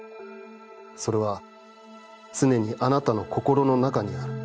それはつねにあなたの心の中にある。